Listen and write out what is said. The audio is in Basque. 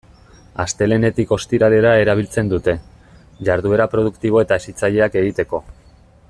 Astelehenetik ostiralera erabiltzen dute, jarduera produktibo eta hezitzaileak egiteko.